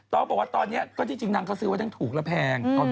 ตอบบอกว่าตอนนี้จริงนางเขาซื้อว่าทั้งถูกและแพง